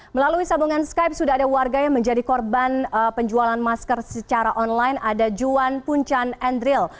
melalui sambungan skype sudah ada warga yang menjadi korban penjualan masker secara online ada juan puncan endril